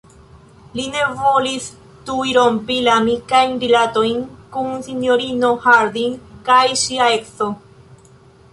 Li ne volis tuj rompi la amikajn rilatojn kun sinjorino Harding kaj ŝia edzo.